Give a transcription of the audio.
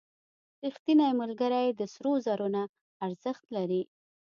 • رښتینی ملګری د سرو زرو نه ارزښت لري.